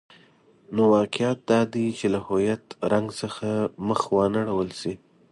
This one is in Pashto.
نو واقعیت دادی چې له هویت رنګ څخه مخ وانه ړول شي.